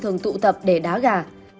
thường tụ tập để đá gà